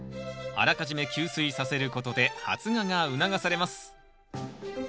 あらかじめ吸水させることで発芽が促されます。